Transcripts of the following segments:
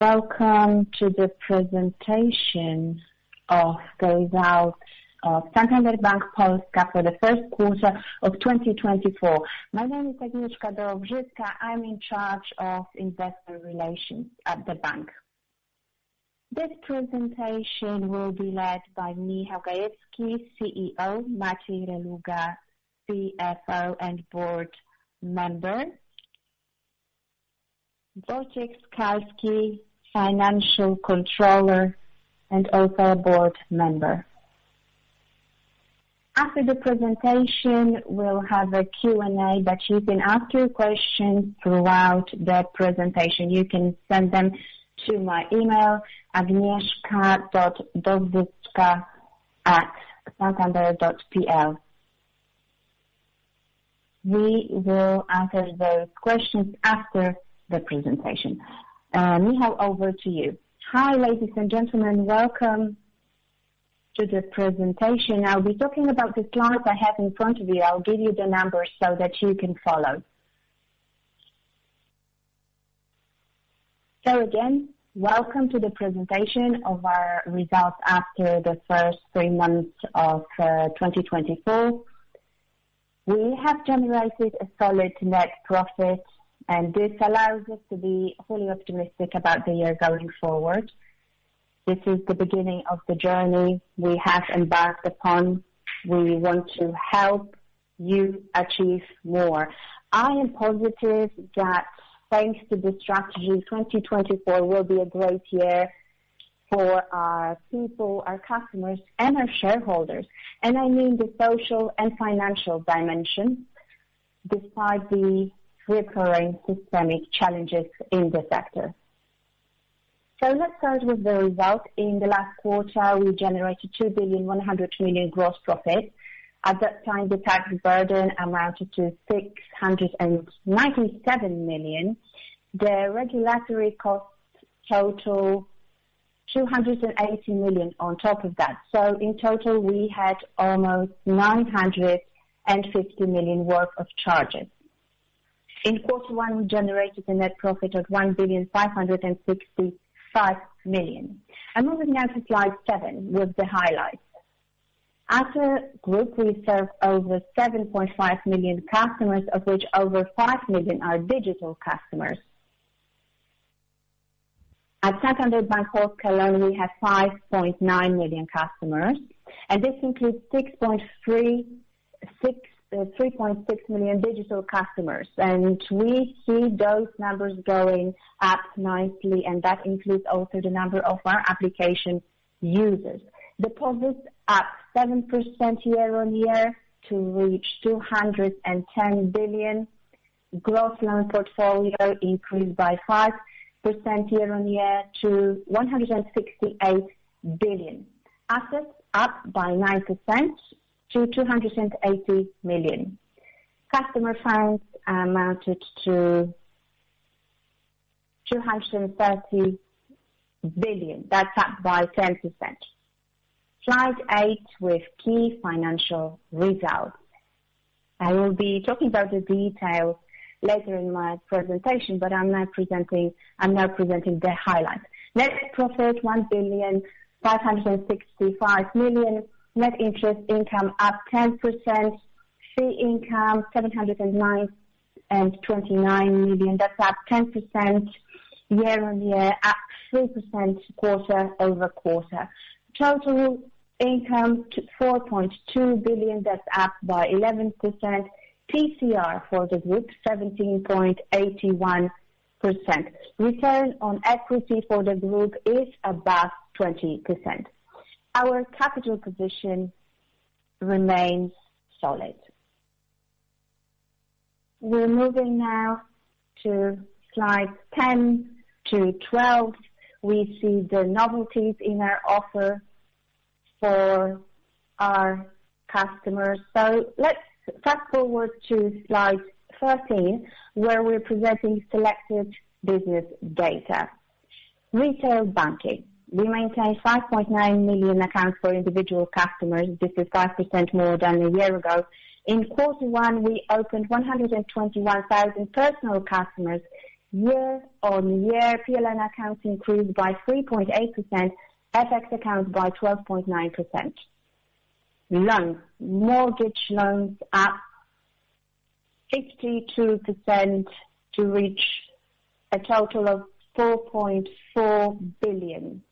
Welcome to the presentation of results of Santander Bank Polska for the first quarter of 2024. My name is Agnieszka Dowzycka. I'm in charge of investor relations at the bank. This presentation will be led by Michał Gajewski, CEO, Maciej Reluga, CFO and board member, Wojciech Skalski, Financial Controller, and also a board member. After the presentation, we'll have a Q&A, but you can ask your questions throughout the presentation. You can send them to my email, agnieszka.dowzycka@santander.pl. We will answer those questions after the presentation. Michał, over to you. Hi, ladies and gentlemen, welcome to the presentation. I'll be talking about the slides I have in front of me. I'll give you the numbers so that you can follow. So again, welcome to the presentation of our results after the first three months of 2024. We have generated a solid net profit, and this allows us to be wholly optimistic about the year going forward. This is the beginning of the journey we have embarked upon. We want to help you achieve more. I am positive that thanks to the strategy, 2024 will be a great year for our people, our customers, and our shareholders, and I mean the social and financial dimension, despite the recurring systemic challenges in the sector. So let's start with the result. In the last quarter, we generated 2.1 billion gross profit. At that time, the tax burden amounted to 697 million. The regulatory costs total 280 million on top of that. So in total, we had almost 950 million worth of charges. In quarter one, we generated a net profit of 1.565 billion. I'm moving now to slide seven, with the highlights. As a group, we serve over 7.5 million customers, of which over 5 million are digital customers. At Santander Bank Polska alone, we have 5.9 million customers, and this includes three point six million digital customers, and we see those numbers going up nicely, and that includes also the number of our application users. Deposits up 7% year-over-year to reach 210 billion. Gross loan portfolio increased by 5% year-over-year to 168 billion. Assets up by 9% to 280 million. Customer funds amounted to 230 billion. That's up by 10%. Slide eight with key financial results. I will be talking about the detail later in my presentation, but I'm now presenting, I'm now presenting the highlights. Net profit, 1,565 million. Net interest income, up 10%. Fee income, 729 million. That's up 10% year-on-year, up 3% quarter-over-quarter. Total income, 4.2 billion, that's up by 11%. TCR for the group, 17.81%. Return on equity for the group is above 20%. Our capital position remains solid. We're moving now to slides 10 to 12. We see the novelties in our offer for our customers. So let's fast-forward to slide 13, where we're presenting selected business data. Retail banking. We maintain 5.9 million accounts for individual customers. This is 5% more than a year ago. In quarter one, we opened 121,000 personal customers. Year-on-year, PLN accounts increased by 3.8%, FX accounts by 12.9%. Loans. Mortgage loans up 52% to reach a total of 4.4 billion.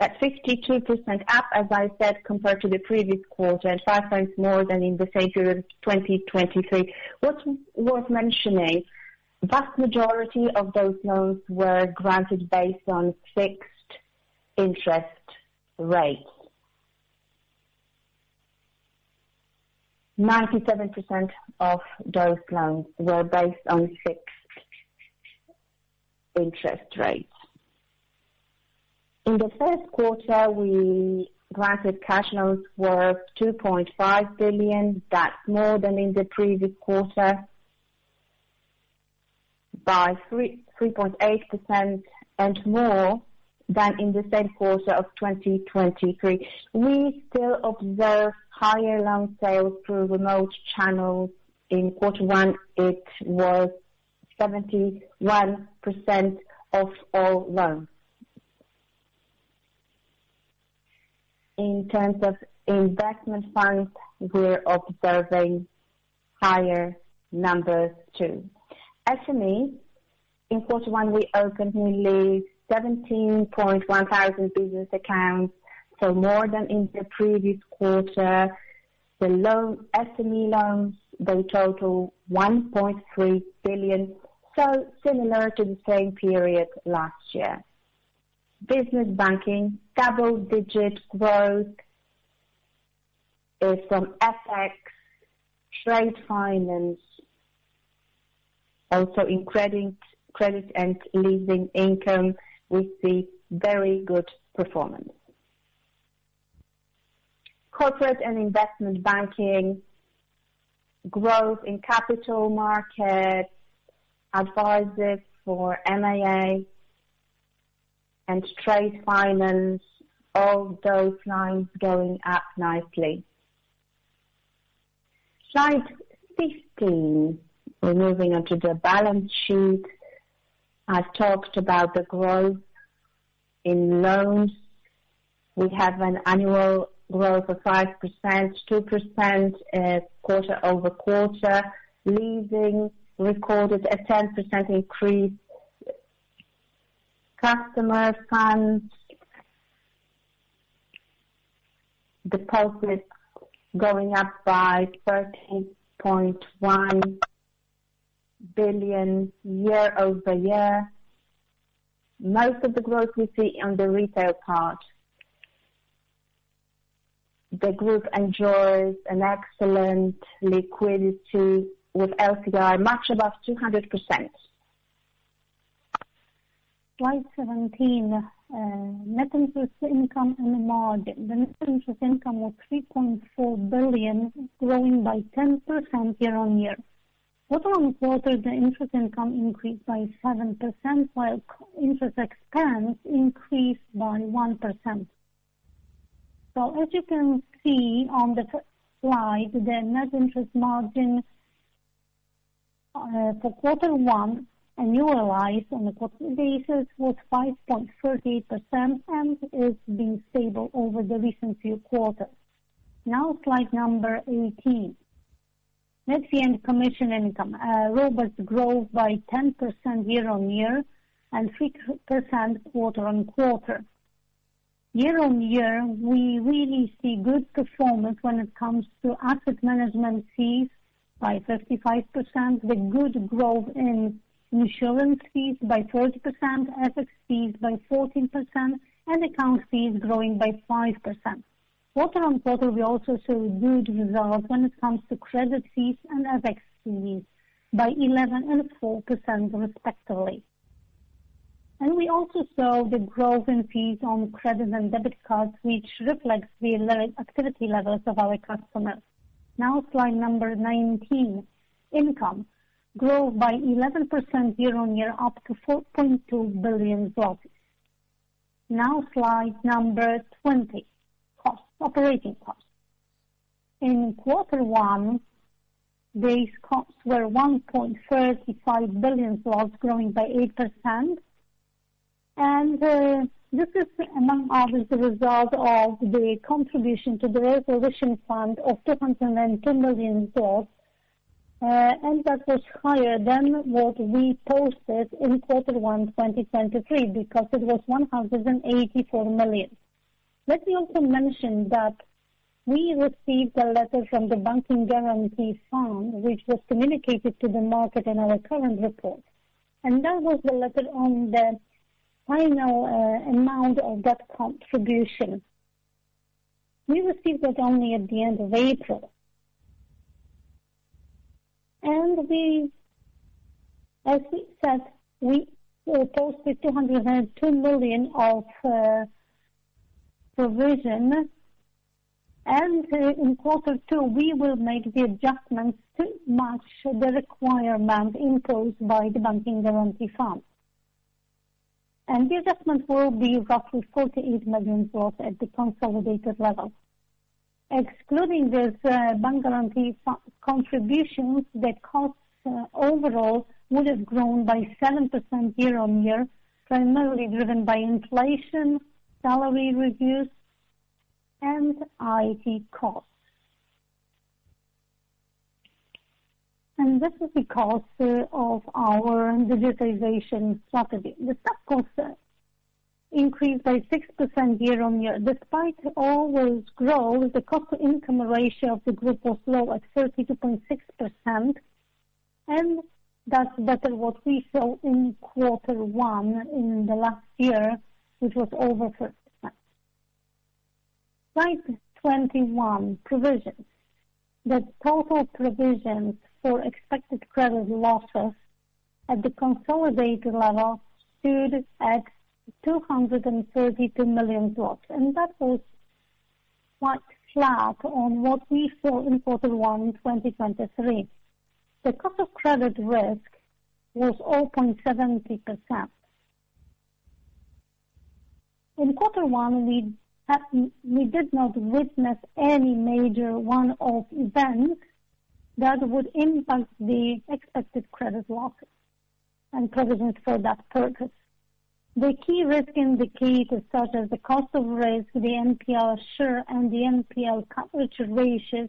At 52% up, as I said, compared to the previous quarter, and five times more than in the same period of 2023. What's worth mentioning, vast majority of those loans were granted based on fixed interest rates. 97% of those loans were based on fixed interest rates. In the first quarter, we granted cash loans worth 2.5 billion. That's more than in the previous quarter by 3.8%, and more than in the same quarter of 2023. We still observe higher loan sales through remote channels. In quarter one, it was 71% of all loans. In terms of investment funds, we're observing higher numbers, too. SME, in quarter one, we opened nearly 17,100 business accounts, so more than in the previous quarter. The loans--SME loans, they total 1.3 billion, so similar to the same period last year. Business banking, double-digit growth is from FX, trade finance, also in credit, credit and leasing income, we see very good performance. Corporate and investment banking, growth in capital markets, advisors for M&A and trade finance, all those lines going up nicely. Slide 15. We're moving on to the balance sheet. I've talked about the growth in loans. We have an annual growth of 5%, 2% quarter-over-quarter. Leasing recorded a 10% increase. Customer funds...deposits going up by PLN 13.1 billion year-over-year. Most of the growth we see on the retail part. The group enjoys an excellent liquidity with LCR much above 200%. Slide 17, net interest income and margin. The net interest income was 3.4 billion, growing by 10% year-on-year. Quarter-on-quarter, the interest income increased by 7%, while interest expense increased by 1%. So as you can see on the slide, the net interest margin, for quarter one annualized on a quarterly basis was 5.38% and is being stable over the recent few quarters. Now, slide number 18. Net fee and commission income, robust growth by 10% year-on-year and 3% quarter-on-quarter. Year-on-year, we really see good performance when it comes to asset management fees by 55%, the good growth in insurance fees by 30%, FX fees by 14%, and account fees growing by 5%. Quarter-on-quarter, we also saw a good result when it comes to credit fees and FX fees by 11% and 4%, respectively. And we also saw the growth in fees on credit and debit cards, which reflects the activity levels of our customers. Now, slide number 19. Income grew by 11% year-on-year up to PLN 4.2 billion. Now, slide number 20. Cost, operating cost. In quarter one, these costs were 1.35 billion, growing by 8%. And, this is among others, the result of the contribution to the Resolution Fund of PLN 210 million, and that was higher than what we posted in quarter one, 2023, because it was 184 million. Let me also mention that we received a letter from the Banking Guarantee Fund, which was communicated to the market in our current report, and that was the letter on the final amount of that contribution. We received that only at the end of April. As we said, we posted 202 million of provision, and in quarter two, we will make the adjustments to match the requirement imposed by the Banking Guarantee Fund. The adjustment will be roughly 48 million at the consolidated level. Excluding this Banking Guarantee Fund contributions, the costs overall would have grown by 7% year-on-year, primarily driven by inflation, salary reviews, and IT costs. This is because of our digitalization strategy. The staff costs increased by 6% year-on-year. Despite all those growth, the cost-to-income ratio of the group was low at 32.6%, and that's better what we saw in quarter one in the last year, which was over 50%. Slide 21, provisions. The total provisions for expected credit losses at the consolidated level stood at 232 million, and that was quite flat on what we saw in quarter one in 2023. The cost of credit risk was 0.70%. In quarter one, we did not witness any major one-off events that would impact the expected credit losses and provisions for that purpose. The key risk indicators, such as the cost of risk, the NPL ratio, and the NPL coverage ratios,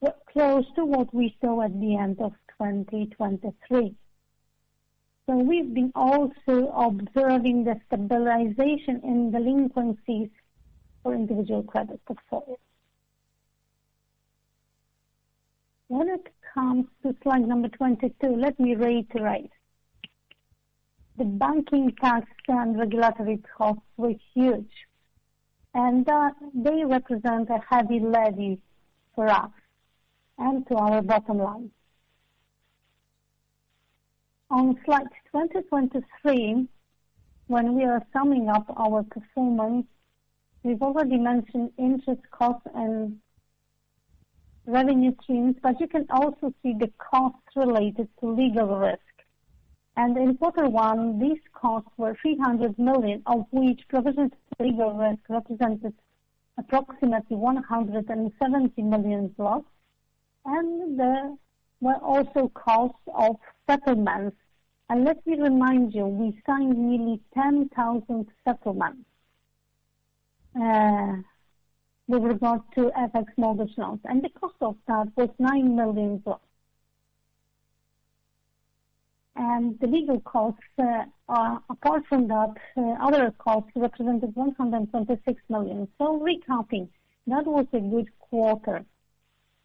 were close to what we saw at the end of 2023. So we've been also observing the stabilization in delinquencies for individual credit portfolios. When it comes to slide number 22, let me reiterate. The banking tax and regulatory costs were huge, and they represent a heavy levy for us and to our bottom line. On slide 23, when we are summing up our performance, we've already mentioned interest cost and revenue streams, but you can also see the costs related to legal risk. In quarter one, these costs were 300 million, of which provisions legal risk represented approximately 170 million, and there were also costs of settlements. Let me remind you, we signed nearly 10,000 settlements with regards to FX mortgage loans, and the cost of that was PLN 9 million. The legal costs, apart from that, other costs represented 176 million. Recapping, that was a good quarter.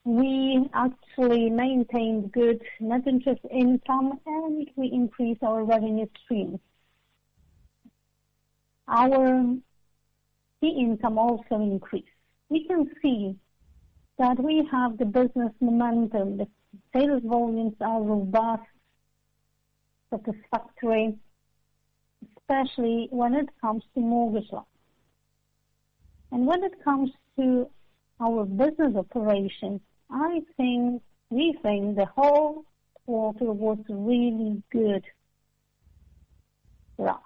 We actually maintained good net interest income, and we increased our revenue streams. Our fee income also increased. We can see that we have the business momentum. The sales volumes are robust, satisfactory, especially when it comes to mortgage loans. And when it comes to our business operations, I think, we think the whole quarter was really good for us.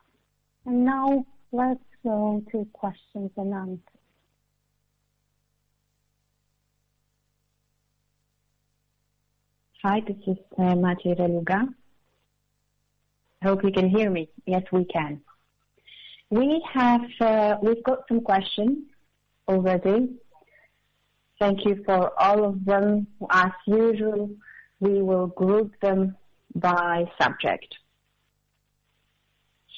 And now let's go to questions and answers. Hi, this is Maciej Reluga. I hope you can hear me. Yes, we can. We have, we've got some questions already. Thank you for all of them. As usual, we will group them by subject.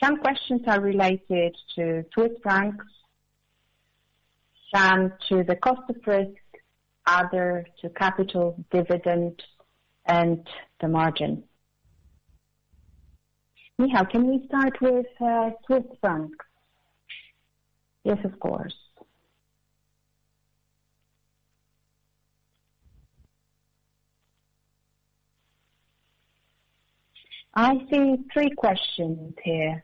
Some questions are related to Swiss francs, some to the cost of risk, other to capital dividend and the margin. Michał, can we start with Swiss francs? Yes, of course. I see three questions here.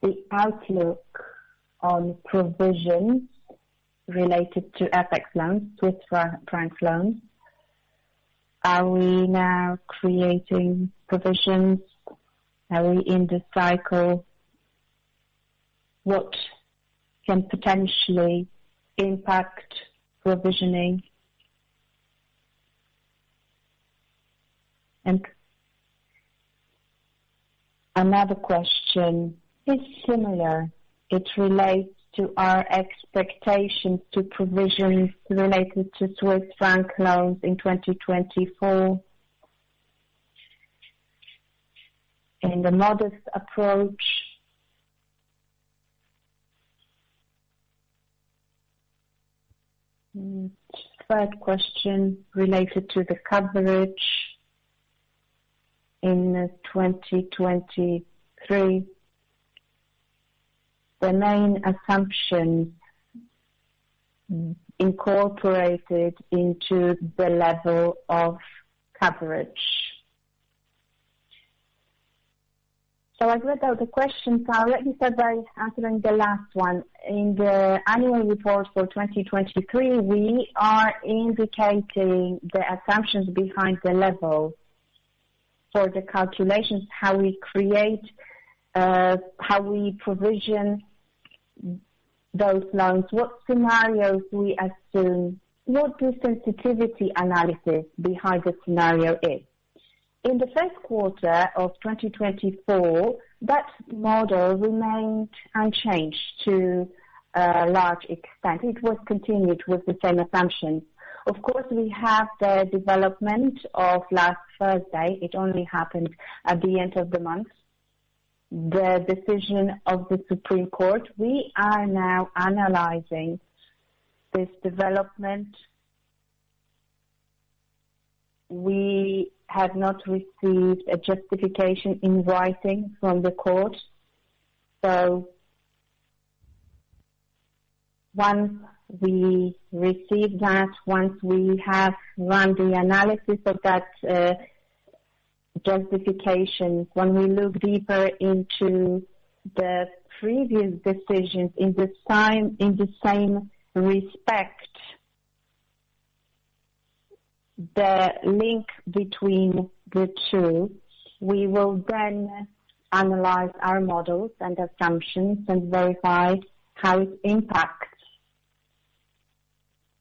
The outlook on provisions related to FX loans, Swiss franc loans. Are we now creating provisions? Are we in the cycle? What can potentially impact provisioning? And another question is similar. It relates to our expectations to provisions related to Swiss franc loans in 2024. And the modest approach. Third question related to the coverage in 2023. The main assumptions incorporated into the level of coverage. So I read out the questions. I'll let you start by answering the last one. In the annual report for 2023, we are indicating the assumptions behind the level for the calculations, how we create, how we provision those loans, what scenarios we assume, what the sensitivity analysis behind the scenario is. In the first quarter of 2024, that model remained unchanged to a large extent. It was continued with the same assumptions. Of course, we have the development of last Thursday. It only happened at the end of the month, the decision of the Supreme Court. We are now analyzing this development. We have not received a justification in writing from the court. So once we receive that, once we have run the analysis of that justification. When we look deeper into the previous decisions in the same, in the same respect, the link between the two, we will then analyze our models and assumptions and verify how it impacts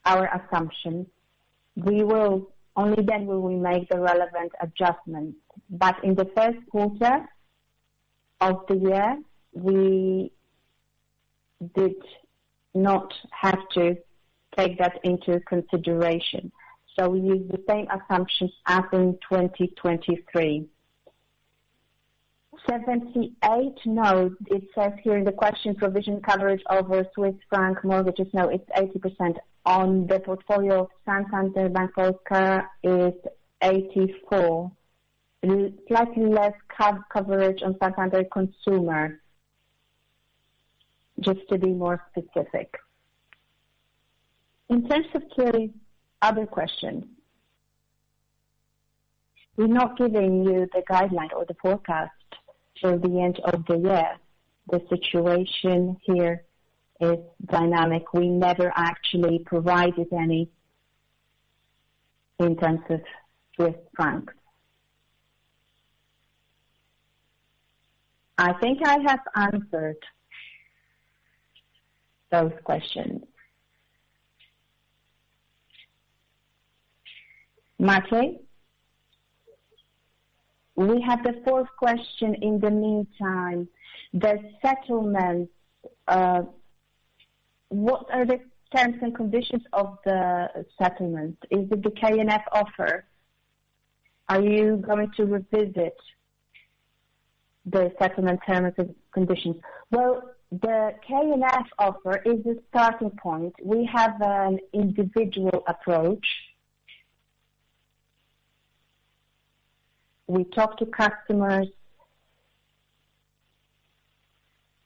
our assumptions. We will only then will we make the relevant adjustments. But in the first quarter of the year, we did not have to take that into consideration, so we used the same assumptions as in 2023. 78? No, it says here in the question: provision coverage over Swiss franc mortgages. No, it's 80% on the portfolio of Santander Bank Polska is 84. Slightly less coverage on Santander Consumer, just to be more specific. In terms of clearly other question, we're not giving you the guideline or the forecast for the end of the year. The situation here is dynamic. We never actually provided any in terms of Swiss francs. I think I have answered those questions. Maciej? We have the fourth question in the meantime. The settlement, what are the terms and conditions of the settlement? Is it the KNF offer? Are you going to revisit the settlement terms and conditions? Well, the KNF offer is the starting point. We have an individual approach. We talk to customers.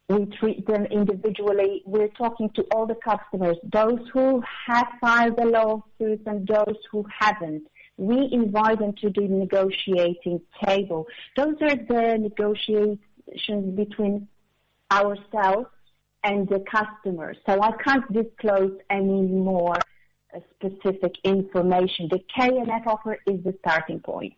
We treat them individually. We're talking to all the customers, those who have filed the lawsuits and those who haven't. We invite them to the negotiating table. Those are the negotiations between ourselves and the customers, so I can't disclose any more specific information. The KNF offer is the starting point.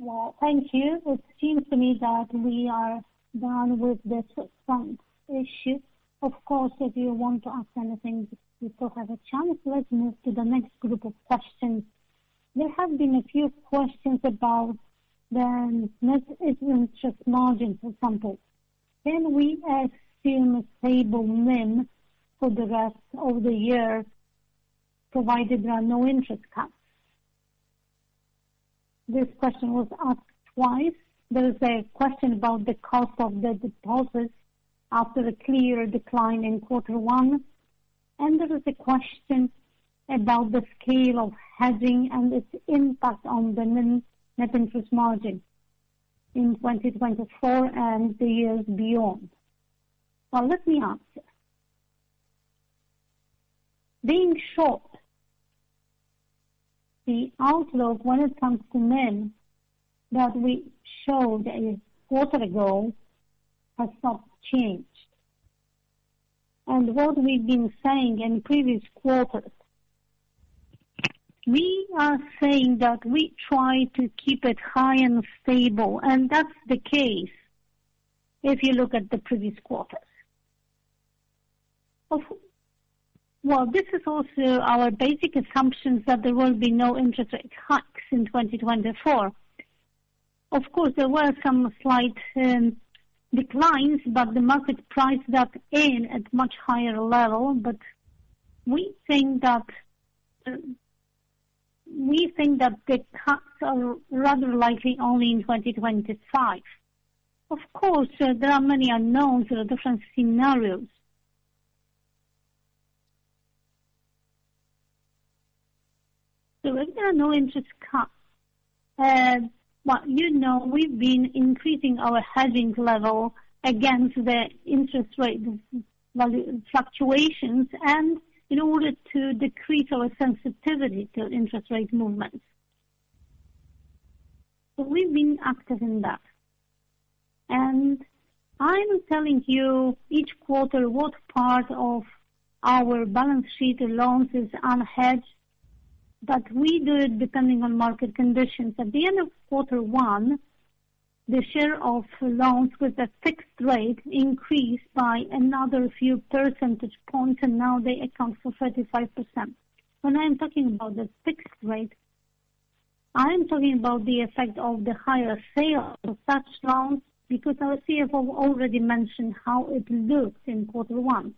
Well, thank you. It seems to me that we are done with this one issue. Of course, if you want to ask anything, you still have a chance. Let's move to the next group of questions. There have been a few questions about the net interest margin, for example. Can we assume stable NIM for the rest of the year, provided there are no interest cuts? This question was asked twice. There is a question about the cost of the deposits after the clear decline in quarter one, and there is a question about the scale of hedging and its impact on the net, net interest margin in 2024 and the years beyond. Well, let me answer. Being short, the outlook when it comes to NIM that we showed a quarter ago has not changed. What we've been saying in previous quarters, we are saying that we try to keep it high and stable, and that's the case if you look at the previous quarters. Well, this is also our basic assumption, that there will be no interest rate hikes in 2024. Of course, there were some slight declines, but the market priced that in at much higher level. But we think that we think that the cuts are rather likely only in 2025. Of course, there are many unknowns and different scenarios. So if there are no interest cuts, well, you know, we've been increasing our hedging level against the interest rate value fluctuations and in order to decrease our sensitivity to interest rate movements. So we've been active in that, and I'm telling you each quarter, what part of our balance sheet loans is unhedged, but we do it depending on market conditions. At the end of quarter one, the share of loans with a fixed rate increased by another few percentage points, and now they account for 35%. When I'm talking about the fixed rate, I am talking about the effect of the higher sales of such loans, because our CFO already mentioned how it looks in quarter one.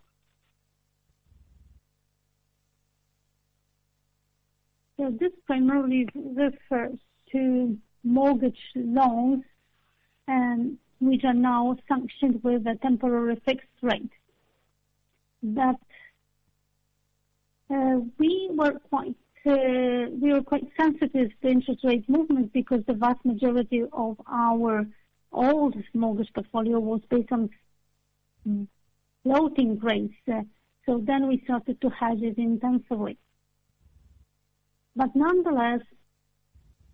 So this primarily refers to mortgage loans, which are now sanctioned with a temporary fixed rate. But, we were quite, we were quite sensitive to interest rate movements because the vast majority of our old mortgage portfolio was based on floating rates, so then we started to hedge it intensely. But nonetheless,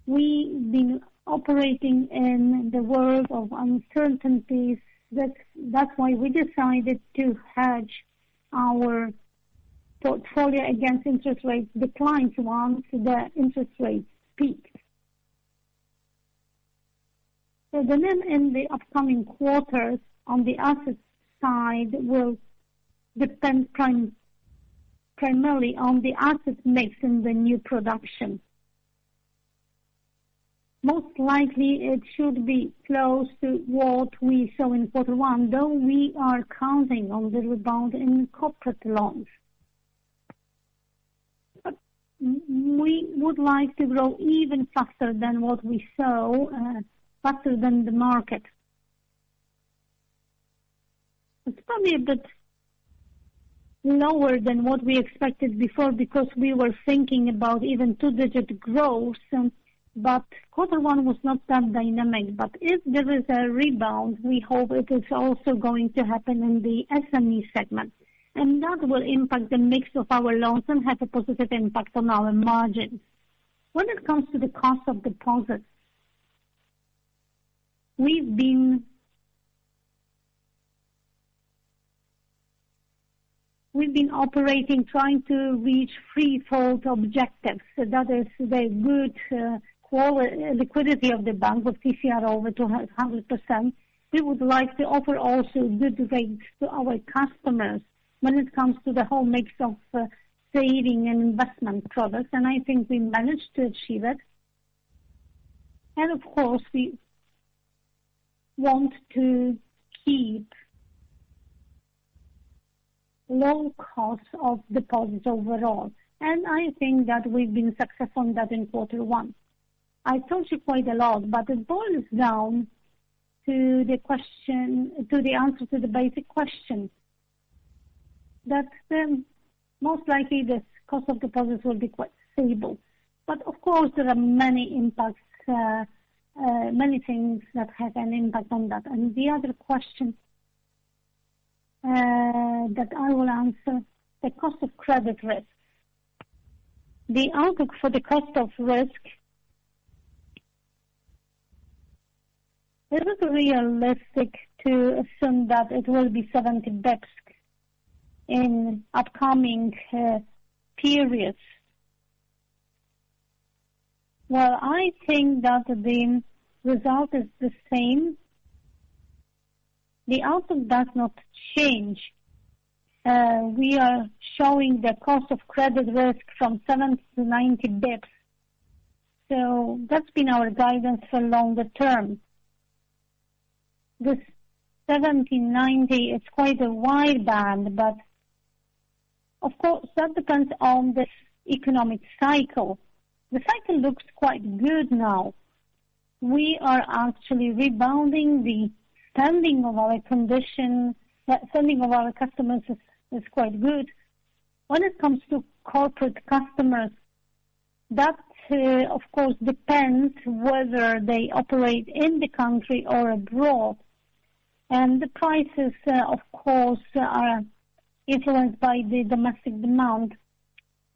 we've been operating in the world of uncertainties. That's why we decided to hedge our portfolio against interest rates declines once the interest rates peak. So the NIM in the upcoming quarters on the asset side will depend primarily on the asset mix in the new production. Most likely, it should be close to what we saw in quarter one, though we are counting on the rebound in corporate loans. But we would like to grow even faster than what we saw, faster than the market. It's probably a bit lower than what we expected before, because we were thinking about even two-digit growth, but quarter one was not that dynamic. But if there is a rebound, we hope it is also going to happen in the SME segment, and that will impact the mix of our loans and have a positive impact on our margins. When it comes to the cost of deposits, we've been operating, trying to reach threefold objectives. So that is the good quality liquidity of the bank, with TCR over 100%. We would like to offer also good rates to our customers when it comes to the whole mix of saving and investment products, and I think we managed to achieve it. And of course, we want to keep low cost of deposits overall, and I think that we've been successful on that in quarter one. I told you quite a lot, but it boils down to the question, to the answer to the basic question. That most likely, the cost of deposits will be quite stable. But of course, there are many impacts, many things that have an impact on that. The other question that I will answer, the cost of credit risk. The outlook for the cost of risk, it is realistic to assume that it will be 70 basis points in upcoming periods. Well, I think that the result is the same. The outlook does not change. We are showing the cost of credit risk from 70-90 basis points, so that's been our guidance for longer term. This 70-90 is quite a wide band, but of course, that depends on the economic cycle. The cycle looks quite good now. We are actually rebounding. The spending of our condition, spending of our customers is quite good. When it comes to corporate customers, that of course, depends whether they operate in the country or abroad. The prices, of course, are influenced by the domestic demand,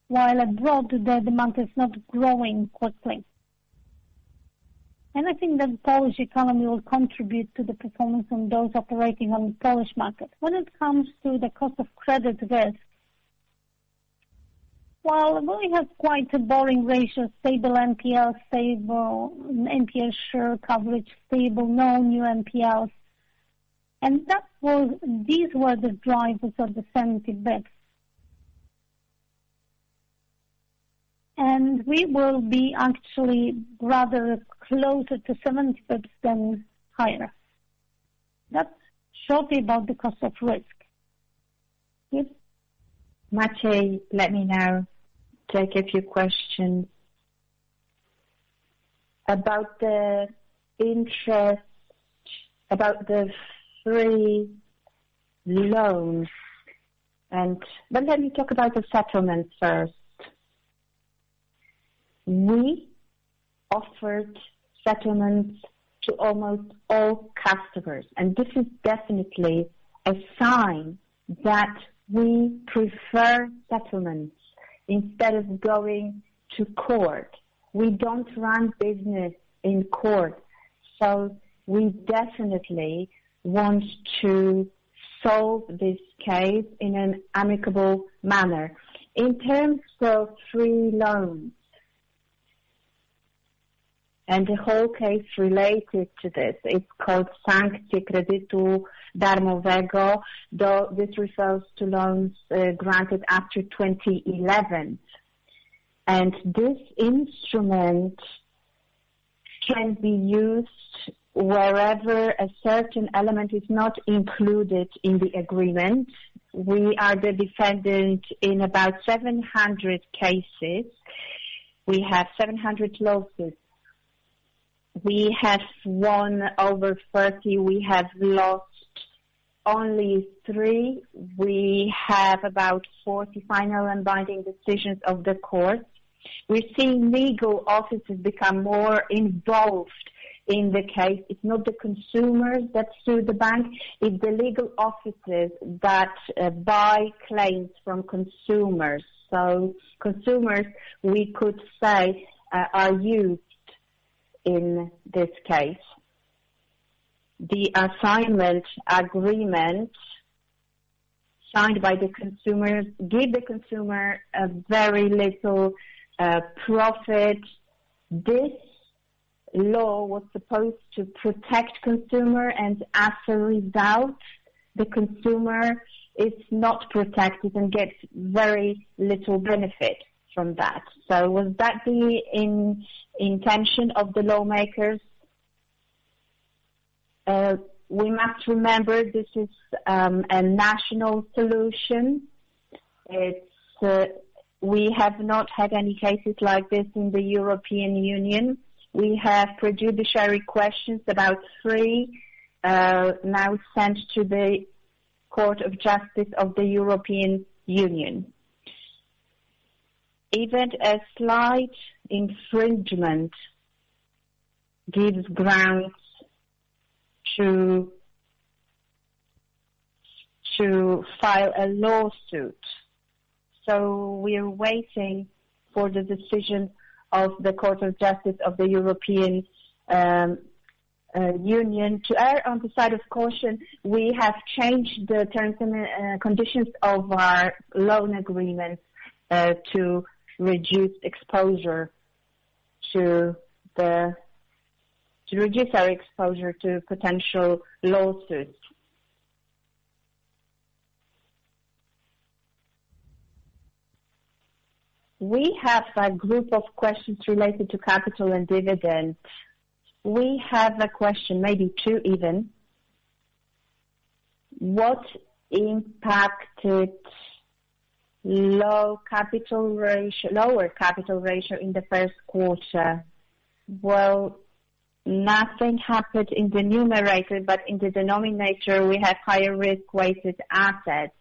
while abroad, the demand is not growing quickly. I think the Polish economy will contribute to the performance on those operating on the Polish market. When it comes to the cost of credit risk, well, we have quite a boring ratio, stable NPL, stable NPL share coverage, stable, no new NPLs. And that was, these were the drivers of the 70 bps. And we will be actually rather closer to 70 bps than higher. That's shortly about the cost of risk. Yes? Maciej, let me now take a few questions. About the interest, about the free loans, and. But let me talk about the settlement first. We offered settlements to almost all customers, and this is definitely a sign that we prefer settlements instead of going to court. We don't run business in court, so we definitely want to solve this case in an amicable manner. In terms of free loans, and the whole case related to this, it's called, though this refers to loans, granted after 2011. And this instrument can be used wherever a certain element is not included in the agreement. We are the defendant in about 700 cases. We have 700 lawsuits. We have won over 30, we have lost only 3. We have about 40 final and binding decisions of the court. We've seen legal offices become more involved in the case. It's not the consumers that sue the bank, it's the legal offices that buy claims from consumers. So consumers, we could say, are used in this case. The assignment agreement signed by the consumers give the consumer a very little profit. This law was supposed to protect consumer, and as a result, the consumer is not protected and gets very little benefit from that. So was that the intention of the lawmakers? We must remember this is a national solution. It's we have not had any cases like this in the European Union. We have prejudicial questions, about 3, now sent to the Court of Justice of the European Union. Even a slight infringement gives grounds to file a lawsuit. So we are waiting for the decision of the Court of Justice of the European Union. To err on the side of caution, we have changed the terms and conditions of our loan agreements to reduce our exposure to potential lawsuits. We have a group of questions related to capital and dividends. We have a question, maybe two even. What impacted lower capital ratio in the first quarter? Well, nothing happened in the numerator, but in the denominator we have higher risk-weighted assets,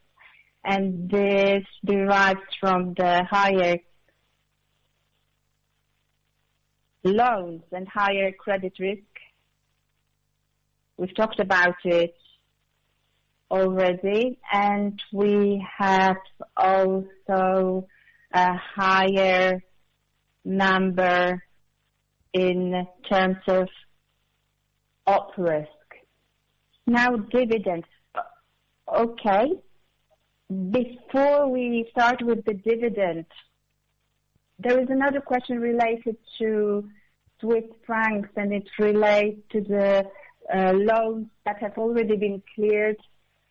and this derives from the higher loans and higher credit risk. We've talked about it already, and we have also a higher number in terms of op risk. Now, dividends. Okay, before we start with the dividends, there is another question related to Swiss francs, and it relates to the loans that have already been cleared.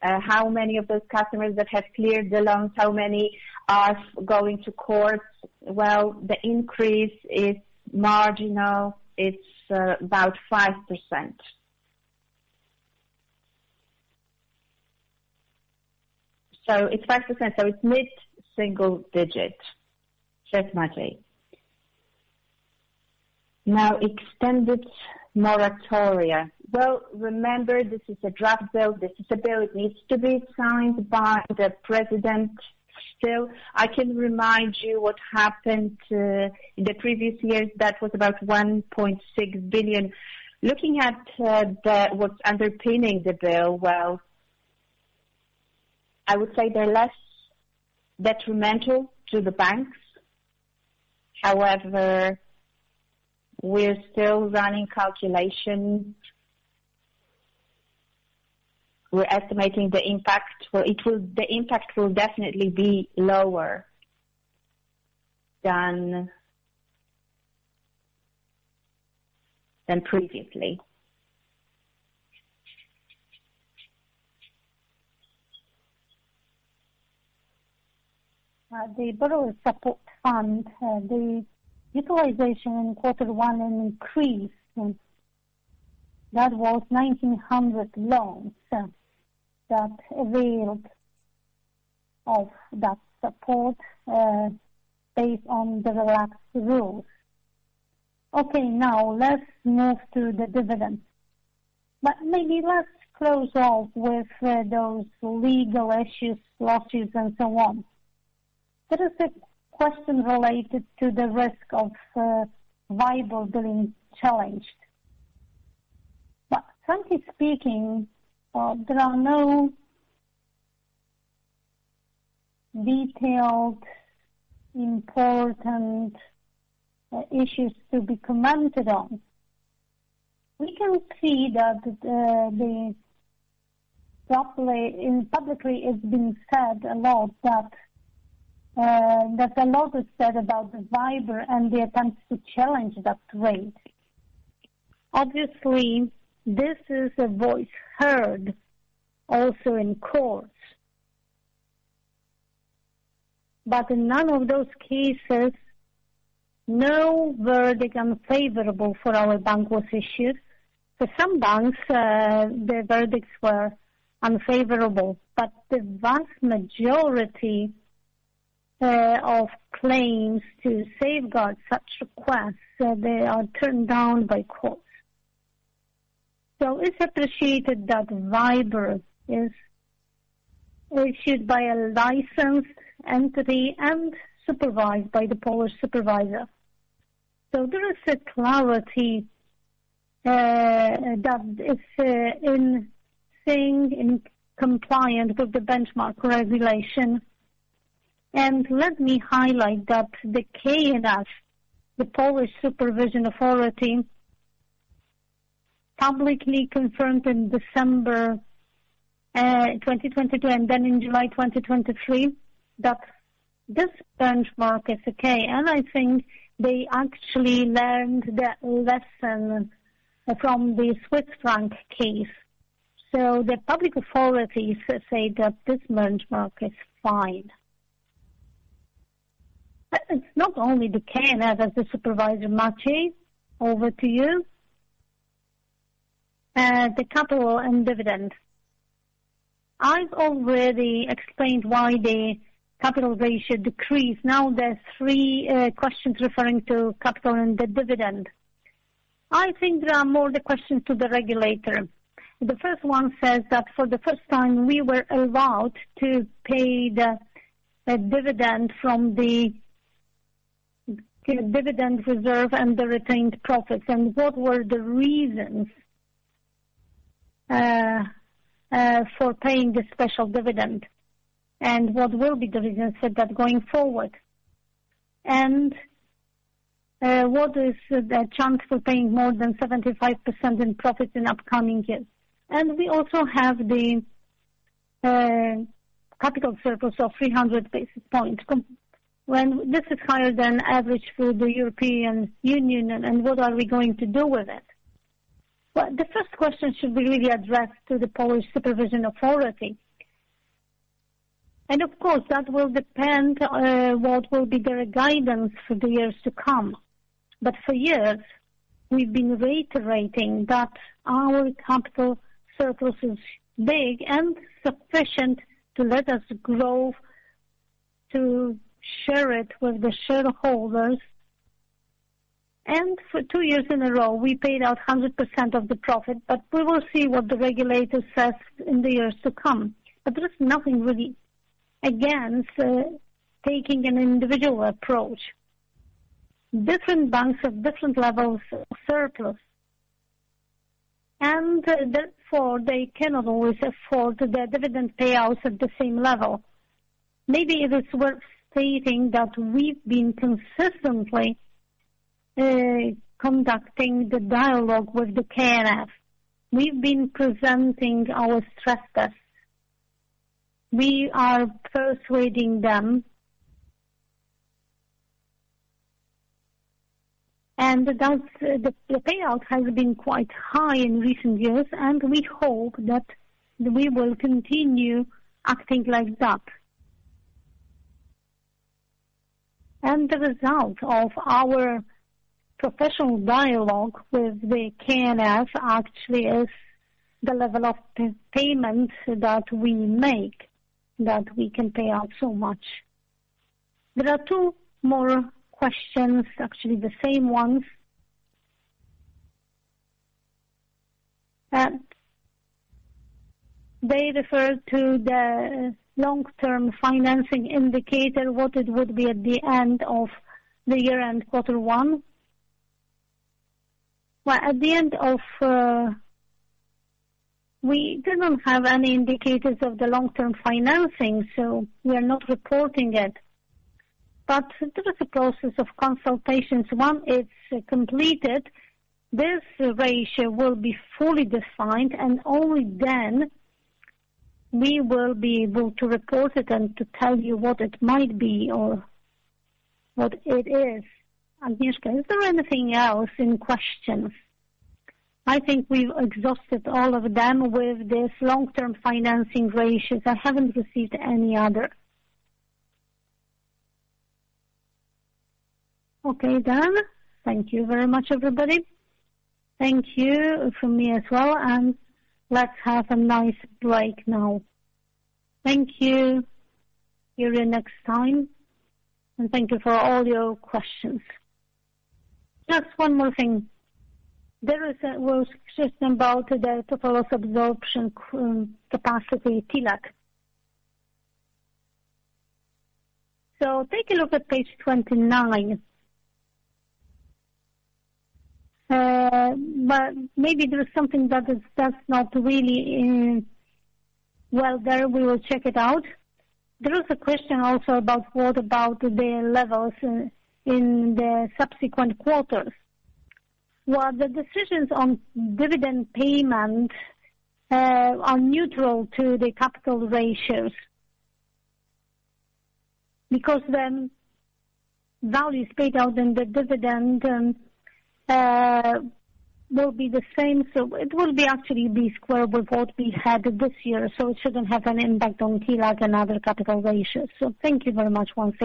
How many of those customers that have cleared the loans, how many are going to court? Well, the increase is marginal. It's about 5%. So it's 5%, so it's mid-single digit, substantially. Now, extended moratoria. Well, remember, this is a draft bill. This is a bill that needs to be signed by the president. Still, I can remind you what happened in the previous years. That was about 1.6 billion. Looking at the. what's underpinning the bill, well, I would say they're less detrimental to the banks. However, we're still running calculations. We're estimating the impact. Well, the impact will definitely be lower than previously. TheBorrower Support Fund, the utilization in quarter one increased. That was 1,900 loans that availed of that support, based on the relaxed rules. Okay, now let's move to the dividend. But maybe let's close off with, those legal issues, lawsuits and so on. There is a question related to the risk of, WIBOR being challenged. But frankly speaking, there are no detailed, important, issues to be commented on. We can see that, the properly and publicly, it's been said a lot, that, that a lot is said about the WIBOR and the attempts to challenge that rate. Obviously, this is a voice heard also in courts. But in none of those cases, no verdict unfavorable for our bank was issued. For some banks, the verdicts were unfavorable, but the vast majority. of claims to safeguard such requests, so they are turned down by courts. So it's appreciated that WIBOR is issued by a licensed entity and supervised by the Polish supervisor. So there is a clarity, that is, in staying compliant with the benchmark regulation. And let me highlight that the KNF, the Polish Financial Supervision Authority, publicly confirmed in December 2022, and then in July 2023, that this benchmark is okay. And I think they actually learned their lesson from the Swiss franc case. So the public authorities say that this benchmark is fine. But it's not only the KNF as the supervisor, Maciej, over to you. The capital and dividend. I've already explained why the capital ratio decreased. Now, there are three questions referring to capital and the dividend. I think there are more the questions to the regulator. The first one says that for the first time, we were allowed to pay the dividend from the dividend reserve and the retained profits, and what were the reasons for paying the special dividend? And what will be the reasons for that going forward? And what is the chance for paying more than 75% in profits in upcoming years? And we also have the capital surplus of 300 basis points, when this is higher than average for the European Union, and what are we going to do with it? Well, the first question should be really addressed to the Polish Financial Supervision Authority. And of course, that will depend what will be their guidance for the years to come. For years, we've been reiterating that our capital surplus is big and sufficient to let us grow, to share it with the shareholders. And for two years in a row, we paid out 100% of the profit, but we will see what the regulator says in the years to come. But there is nothing really against taking an individual approach. Different banks have different levels of surplus, and therefore, they cannot always afford the dividend payouts at the same level. Maybe it is worth stating that we've been consistently conducting the dialogue with the KNF. We've been presenting our stress tests. We are persuading them. And that's, the, the payout has been quite high in recent years, and we hope that we will continue acting like that. The result of our professional dialogue with the KNF actually is the level of payment that we make, that we can pay out so much. There are two more questions, actually, the same ones. They refer to the long-term financing indicator, what it would be at the end of the year and quarter one. Well, at the end of. We did not have any indicators of the long-term financing, so we are not reporting it. But there is a process of consultations. Once it's completed, this ratio will be fully defined, and only then we will be able to report it and to tell you what it might be or what it is. Agnieszka, is there anything else in questions? I think we've exhausted all of them with this long-term financing ratios. I haven't received any other. Okay, then. Thank you very much, everybody. Thank you from me as well, and let's have a nice break now. Thank you. Your next time. And thank you for all your questions. Just one more thing. There was a question about the total loss absorption capacity, TLAC. So take a look at page 29. But maybe there is something that's not really in. Well, there, we will check it out. There is a question also about what about the levels in the subsequent quarters. Well, the decisions on dividend payment are neutral to the capital ratios. Because the values paid out in the dividend will be the same. So it will actually be comparable what we had this year, so it shouldn't have an impact on TLAC another capital ratio. So thank you very much once again.